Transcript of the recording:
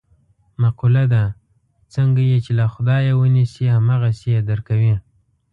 مقوله ده: څنګه یې چې له خدایه و نیسې هم هغسې یې در کوي.